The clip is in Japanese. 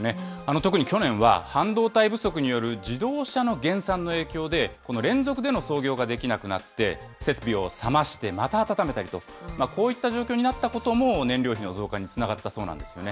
特に去年は半導体不足による自動車の減産の影響で、この連続での操業ができなくなって、設備を冷ましてまた温めたりと、こういった状況になったことも、燃料費の増加につながったそうなんですよね。